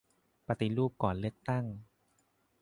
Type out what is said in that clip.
ปฏิรูปก่อนเลือกตั้ง